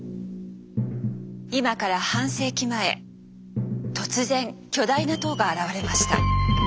今から半世紀前突然巨大な塔が現れました。